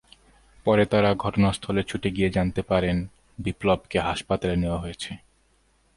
পরে তাঁরা ঘটনাস্থলে ছুটে গিয়ে জানতে পারেন, বিপ্লবকে হাসপাতালে নেওয়া হয়েছে।